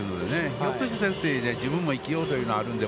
ひょっとしてセーフティーで生きようというのがあるので。